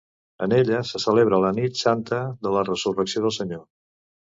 En ella se celebra la nit Santa de la Resurrecció del Senyor.